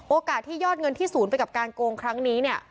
โอกาสที่ยอดเงินที่ศูนย์ไปกับการโกงครั้งนี้เนี่ย